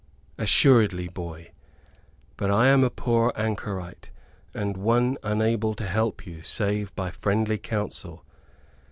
"Assuredly, boy. But I am a poor anchorite and one unable to help you, save by friendly counsel.